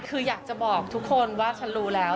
คืออยากจะบอกทุกคนว่าฉันรู้แล้ว